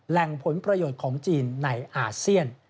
แหล่งผลประโยชน์ของจีนในอาเซียน